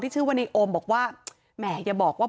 ชื่อว่าในโอมบอกว่าแหมอย่าบอกว่า